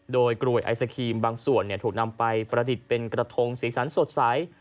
โดยกรวยไอศครีมบางส่วนถูกนำไปประดิษฐ์เป็นกระทงสีสันสดใส